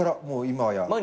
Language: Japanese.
もう今や。